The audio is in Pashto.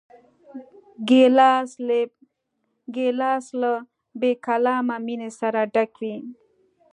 ګیلاس له بېکلامه مینې سره ډک وي.